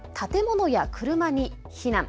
建物や車に避難。